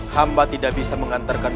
hamba tidak bisa mengantarkanmu